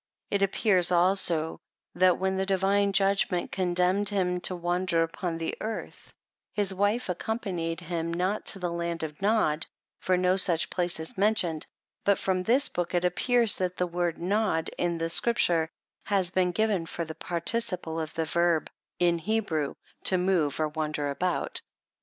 It appears, also, that when the divine judgment condemned him to wander upon the earth, his wife accompanied him, not to the land of Nod, for no such place is mentioned ; but, from this book it appears that the word Nod, in the Scrip ture, has been given for the participle of the verb '^"^J " to move or wander about.